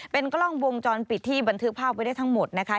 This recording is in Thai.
เป็นกล้องวงจรปิดที่บันทึกภาพไว้ได้ทั้งหมดนะคะ